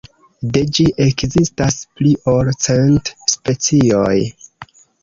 De ĝi ekzistas pli ol cent specioj.